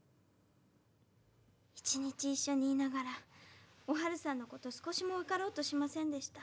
一日一緒にいながらおはるさんの事少しも分かろうとしませんでした。